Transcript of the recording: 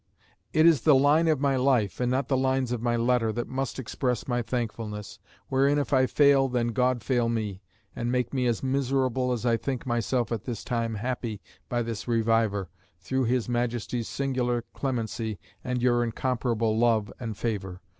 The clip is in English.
It is the line of my life, and not the lines of my letter, that must express my thankfulness; wherein if I fail, then God fail me, and make me as miserable as I think myself at this time happy by this reviver, through his Majesty's singular clemency, and your incomparable love and favour.